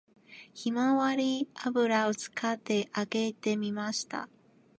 ひまわり油を使って揚げてみました